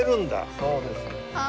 そうです。